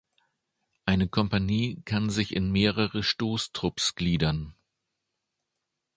Eine Kompanie kann sich in mehrere Stoßtrupps gliedern.